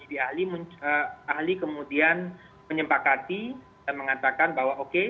dan setelah kami melakukan sgd ahli ahli kemudian menyempakati dan mengatakan bahwa oke